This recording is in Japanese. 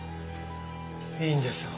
いいんですよ